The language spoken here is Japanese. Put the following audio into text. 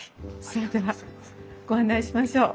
それではご案内しましょう。